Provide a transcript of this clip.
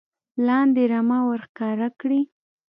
لاندې رمه ور ښکاره کړي .